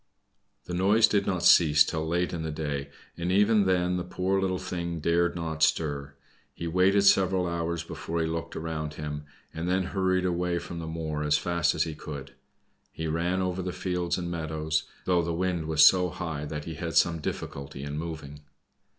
The noise did not cease till late in the day, and even then the poor little thing dared not stir. He waited several hours before he looked around him, and then hurried away from the moor as fast as he could. He ran over fields and meadows, though the wind was so high that he had some difficulty in moving.